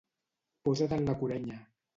Posat en la curenya.